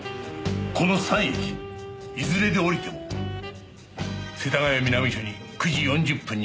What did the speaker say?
この３駅いずれで降りても世田谷南署に９時４０分には出勤出来る。